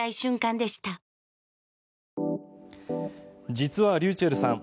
実はｒｙｕｃｈｅｌｌさん